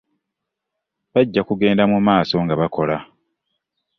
Bajja kugenda mu maaso nga bakola.